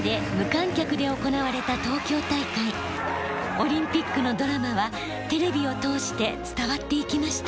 オリンピックのドラマはテレビを通して伝わっていきました。